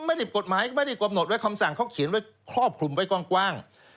ไม่ได้กฎหมายก็ไม่ได้กำหนดไว้คำสั่งเขาเขียนไว้ครอบคลุมไว้กว้าง